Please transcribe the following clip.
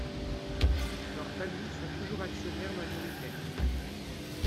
Leurs familles sont toujours actionnaires majoritaires.